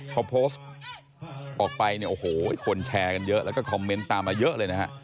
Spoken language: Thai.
พอโพสต์ออกไปเนี่ยโอ้โหคนแชร์กันเยอะแล้วก็คอมเมนต์ตามมาเยอะเลยนะฮะ